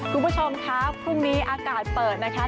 คุณผู้ชมครับพรุ่งนี้อากาศเปิดนะคะ